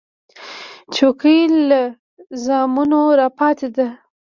چوکۍ له زمانو راپاتې ده.